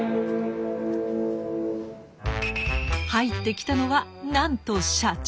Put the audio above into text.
入ってきたのはなんと社長。